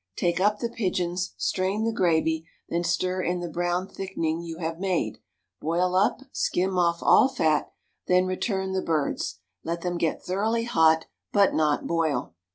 Take up the pigeons, strain the gravy, then stir in the brown thickening you have made; boil up, skim off all fat, then return the birds; let them get thoroughly hot, but not boil.